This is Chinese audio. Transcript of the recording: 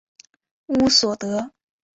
乌索德。